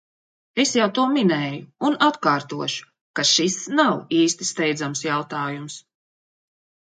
Es jau to minēju un atkārtošu, ka šis nav īsti steidzams jautājums.